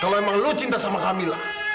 kalau emang lo cinta sama kamila